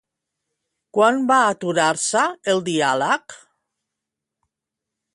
Quan va aturar-se el diàleg?